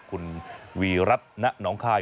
คุณวีรัทณน้องค่าย